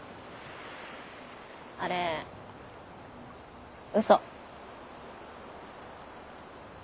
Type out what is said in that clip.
あれ嘘。